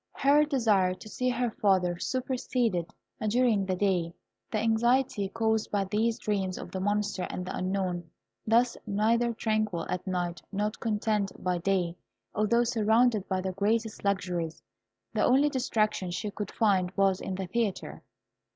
Her desire to see her father superseded, during the day, the anxiety caused by these dreams of the Monster and the Unknown. Thus, neither tranquil at night nor contented by day, although surrounded by the greatest luxuries, the only distraction she could find was in the theatre.